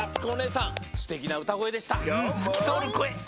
すきとおるこえ！